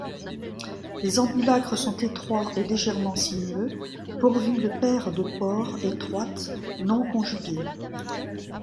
Les ambulacres sont étroits et légèrement sinueux, pourvus de paires de pores étroites, non-conjuguées.